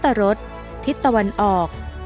เท้าทัตรรศทิศตะวันออก